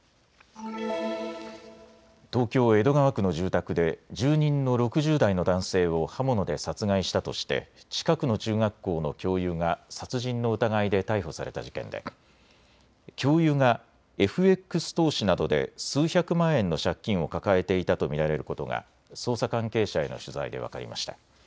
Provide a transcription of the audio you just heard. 東京江戸川区の住宅で住人の６０代の男性を刃物で殺害したとして近くの中学校の教諭が殺人の疑いで逮捕された事件で教諭がＦＸ投資などで数百万円の借金を抱えていたと見られることが捜査関係者への取材で分かりました。